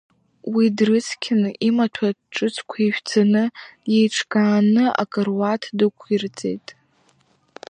Уи дрыцқьаны, имаҭәа ҿыцқәа ишәҵаны, деиҿкааны, акаруаҭ дықәырҵеит.